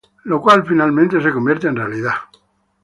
Lo cual finalmente se convierte en realidad.